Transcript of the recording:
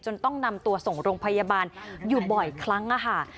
ต้องนำตัวส่งโรงพยาบาลอยู่บ่อยครั้งค่ะ